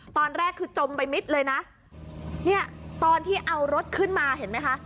ตอนแรกคือจมไปมิดเลยนะเนี่ยตอนที่เอารถขึ้นมาเห็นไหมคะ